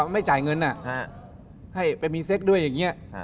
ไม่จ่ายเงินให้ไปมีเซ็กด้วยอย่างนี้